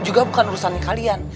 juga bukan urusannya kalian